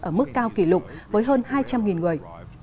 ở mức cao kỷ lục với hơn hai trăm linh người